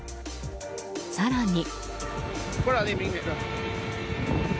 更に。